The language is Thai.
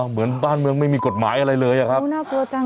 เหมือนบ้านเมืองไม่มีกฎหมายอะไรเลยอะครับน่ากลัวจัง